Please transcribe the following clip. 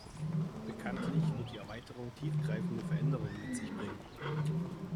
Bekanntlich wird die Erweiterung tief greifende Veränderungen mit sich bringen.